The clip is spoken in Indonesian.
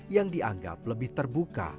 yang dianggap lebih terbuka